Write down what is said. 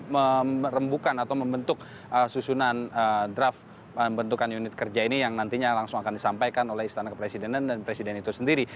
merembukan atau membentuk susunan draft pembentukan unit kerja ini yang nantinya langsung akan disampaikan oleh istana kepresidenan dan presiden itu sendiri